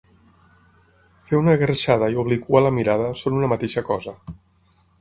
Fer una guerxada i obliquar la mirada són una mateixa cosa.